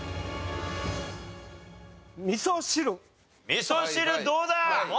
みそ汁どうだ？